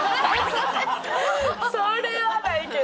それそれはないけど。